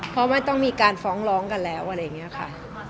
เพราะไม่ต้องมีการฟ้องร้องกันแล้วอะไรอย่างนี้ค่ะ